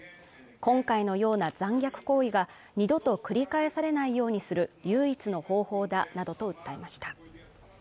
今回のような残虐行為が二度と繰り返されないようにする唯一の方法だなどと訴えました